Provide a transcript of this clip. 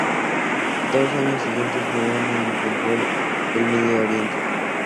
Los dos años siguientes jugó en el fútbol del Medio Oriente.